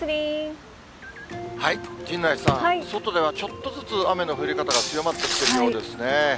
陣内さん、外ではちょっとずつ雨の降り方が強まってきているようですね。